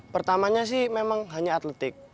pertamanya sih memang hanya atletik